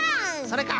それか！